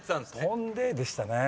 「翔んで」でしたね。